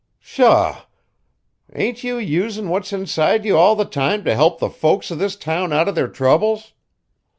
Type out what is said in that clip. "Pshaw! Ain't you usin' what's inside you all the time to help the folks of this town out of their troubles?